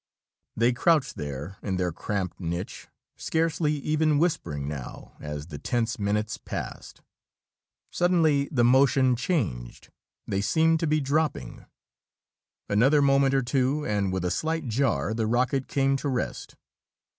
They crouched there in their cramped niche, scarcely even whispering now, as the tense minutes passed. Suddenly the motion changed. They seemed to be dropping. Another moment or two, and with a slight jar the rocket came to rest.